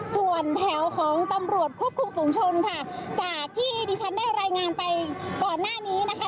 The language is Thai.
ส่วนแถวของตำรวจควบคุมฝุงชนค่ะจากที่ดิฉันได้รายงานไปก่อนหน้านี้นะคะ